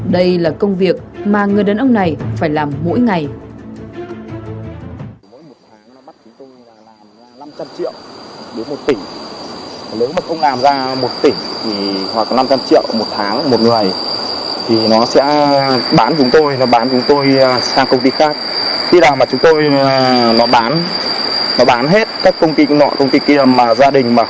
đây là công việc mà người đàn ông này phải làm mỗi ngày